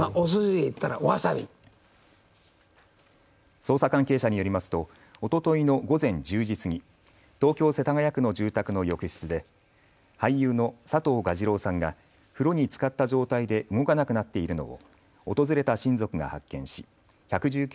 捜査関係者によりますとおとといの午前１０時過ぎ、東京世田谷区の住宅の浴室で俳優の佐藤蛾次郎さんが風呂につかった状態で動かなくなっているのを訪れた親族が発見し１１９